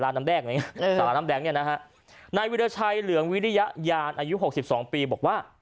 นายวิราชัยเหลืองวิริยายานอายุ๖๒ปีบอกว่า